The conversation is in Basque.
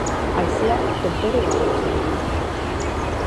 Haizeak tontorrik gabe utzi ditu.